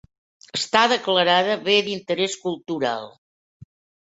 Està declarada Bé d'Interés Cultural.